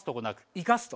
生かすと。